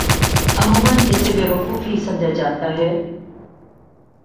عموما اسے بیوقوف ہی سمجھا جاتا ہے۔